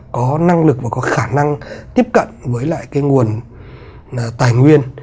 có năng lực và có khả năng tiếp cận với lại cái nguồn tài nguyên